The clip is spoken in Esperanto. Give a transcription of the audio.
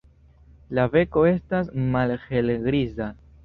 La beko estas malhelgriza.